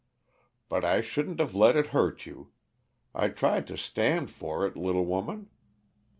But I shouldn't have let it hurt you. I tried to stand for it, little woman.